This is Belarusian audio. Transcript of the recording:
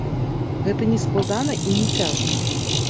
Гэта не складана і не цяжка.